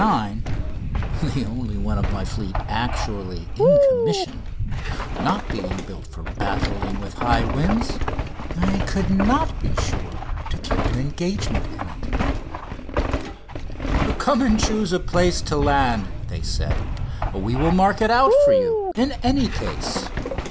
9" the only one of my fleet actually "in commission" not being built for battling with high winds I could not be sure to keep an engagement in it. [Illustration: "No. 9." OVER BOIS DE BOULOGNE] "Come and choose a place to land," they said; "we will mark it out for you in any case."